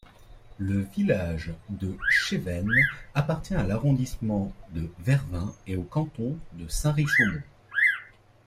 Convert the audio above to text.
Le village de Chevennes appartient à l'arrondissement de Vervins et au canton de Sains-Richaumont.